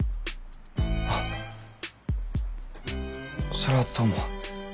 それはどうも。